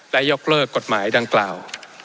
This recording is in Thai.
และยกเลิกกฎหมายดังกล่าว